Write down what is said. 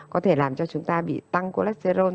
có thể làm cho chúng ta bị tăng cholesterol